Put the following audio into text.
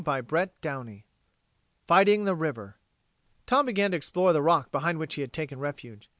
CHAPTER SEVENTEEN FIGHTING THE RIVER Tom began to explore the rock behind which he had taken refuge.